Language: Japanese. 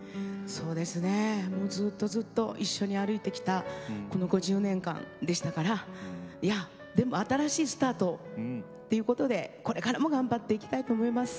そうですねずっとずっと一緒に歩いてきたこの５０年間でしたからでも新しいスタートということでこれからも頑張っていきたいと思います。